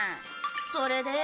それで？